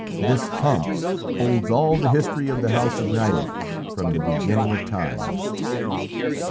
This hump holds all the history of the house of Nideck from the beginning of time!"